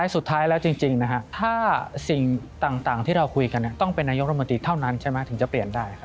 สุดท้ายแล้วจริงถ้าสิ่งต่างที่เราคุยกันต้องเป็นนายกรมนตรีเท่านั้นใช่ไหมถึงจะเปลี่ยนได้